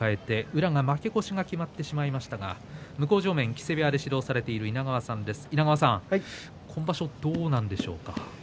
宇良は負け越しが決まってしまいましたが向正面、木瀬部屋で指導されている稲川さんです。